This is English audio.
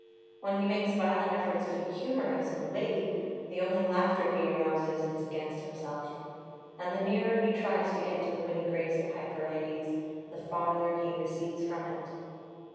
When he makes violent efforts to be humorous and witty, the only laughter he arouses is against himself; and the nearer he tries to get to the winning grace of Hyperides, the farther he recedes from it.